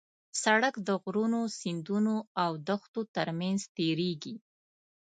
سړک د غرونو، سیندونو او دښتو ترمنځ تېرېږي.